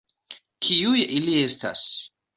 Kiuj ili estas?